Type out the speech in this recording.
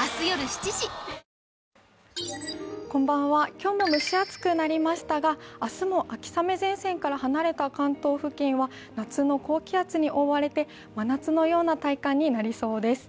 今日も蒸し暑くなりましたが、明日も秋雨前線から離れた関東付近は夏の高気圧に覆われて真夏のような体感になりそうです。